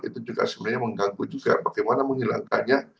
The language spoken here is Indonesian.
itu juga sebenarnya mengganggu juga bagaimana menghilangkannya